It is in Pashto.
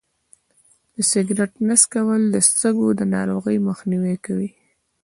د سګرټ نه څکول د سږو د ناروغۍ مخنیوی کوي.